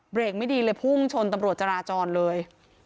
กไม่ดีเลยพุ่งชนตำรวจจราจรเลย